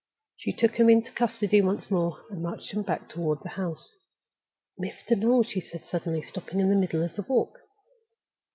She took him into custody once more, and marched him back toward the house. "Mr. Noel!" she said, suddenly stopping in the middle of the walk.